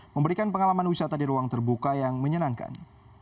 memberikan pengalaman wisata di ruang terbuka yang menyenangkan